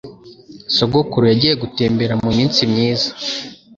Sogokuru yagiye gutembera muminsi myiza